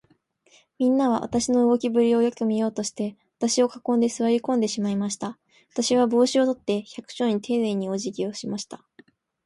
みんなは、私の動きぶりをよく見ようとして、私を囲んで、坐り込んでしまいました。私は帽子を取って、百姓にていねいに、おじぎをしました。